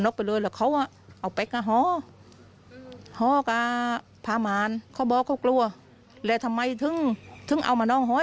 เขาก็กลัวและทำไมถึงเอามานองห้อย